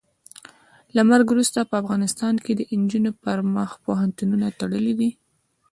له مرګه وروسته په افغانستان کې د نجونو پر مخ پوهنتونونه تړلي دي.